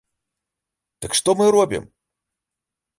Так што мы робім?